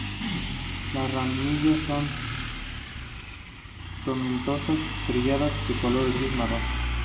Las ramillas son tomentosas estrelladas de color gris-marrón.